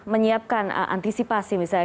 menyiapkan antisipasi misalnya